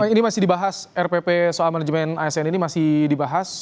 ini masih dibahas rpp soal manajemen asn ini masih dibahas